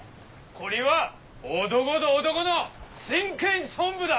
これは男と男の真剣勝負だ。